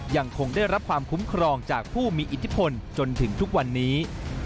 ยังคงได้รับความคุ้มครองจากผู้มีอิทธิพลจนถึงทุกวันนี้